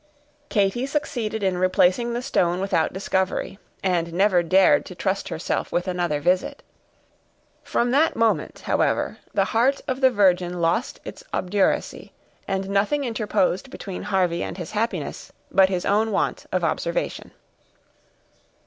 Katy succeeded in replacing the stone without discovery, and never dared to trust herself with another visit. From that moment, however, the heart of the virgin lost its obduracy, and nothing interposed between Harvey and his happiness, but his own want of observation.